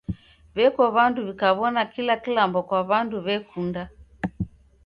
W'eko w'andu w'ikawona kila kilambo kwa wandu w'ekunda.